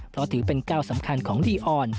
เพราะถือเป็นก้าวสำคัญของลีออน